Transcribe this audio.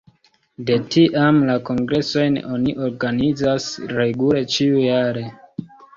De tiam la kongresojn oni organizas regule ĉiujare.